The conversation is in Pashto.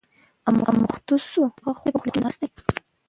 اموخته شو، هماغه خوند یې خوله کې ناست دی.